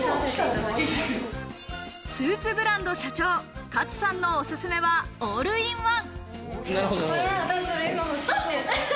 スーツブランド社長・勝さんのおすすめはオールインワン。